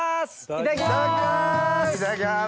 いただきます！